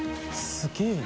すげぇな。